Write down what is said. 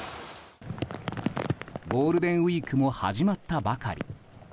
ゴールデンウィークも始まったばかり。